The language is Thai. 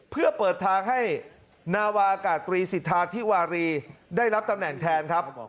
เพื่อเปิดทางให้นาวาอากาศตรีสิทธาธิวารีได้รับตำแหน่งแทนครับ